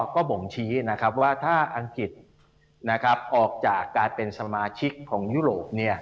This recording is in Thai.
ก็บ่งชี้นะครับว่าถ้าอังกฤษออกจากการเป็นสมาชิกของยุโรป